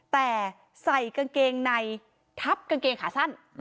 แต่ใส่กางเกงในทับกางเกงขาสั้น